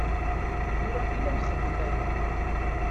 Tura i la nxeddem aya.